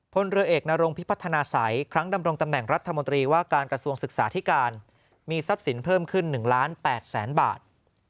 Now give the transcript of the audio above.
พลเรือเอกนรงพิพัฒนาศัยครั้งดำรงตำแหน่งรัฐมนตรีว่าการกระทรวงศึกษาธิการมีทรัพย์สินเพิ่มขึ้น๑ล้าน๘แสนบาท